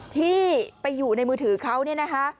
ที่ไปอยู่ในมือถือเขาเนี่ยนะคะ